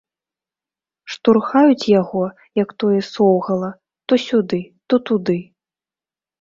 Штурхаюць яго, як тое соўгала, то сюды, то туды.